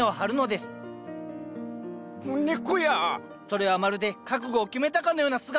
それはまるで覚悟を決めたかのような姿。